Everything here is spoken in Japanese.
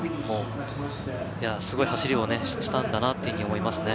すごい走りをしたんだなと思いますね。